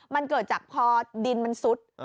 มันเกิดจากพอดินมันซุด